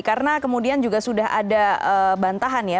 karena kemudian juga sudah ada bantahan ya